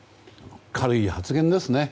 軽い発言ですね。